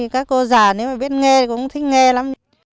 các cô già nếu mà biết nghe cũng thích nghe lắm